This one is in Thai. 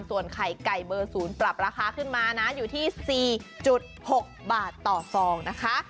ส่วนไข่ไก่เบอร์๐ปรับราคาขึ้นมานะอยู่ที่๔๖บาทต่อฟองนะคะ